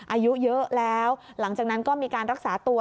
อายุเยอะแล้วหลังจากนั้นก็มีการรักษาตัว